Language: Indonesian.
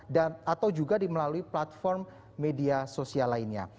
dan atau juga di melalui platform media sosial lainnya